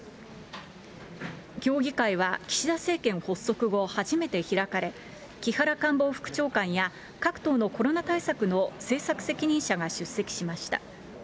協議会は、岸田政権発足後、初めて開かれ、木原官房副長官や各党のコロナ対策の政策責任者が出席しました。